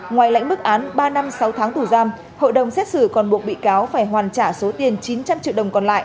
ngoài lãnh mức án ba năm sáu tháng tù giam hội đồng xét xử còn buộc bị cáo phải hoàn trả số tiền chín trăm linh triệu đồng còn lại